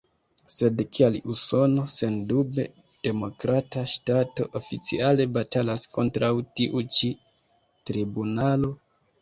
Sed kial Usono, sendube demokrata ŝtato, oficiale batalas kontraŭ tiu ĉi tribunalo?